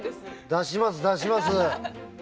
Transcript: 出します出します。